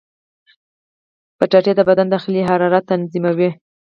کچالو د بدن داخلي حرارت تنظیموي.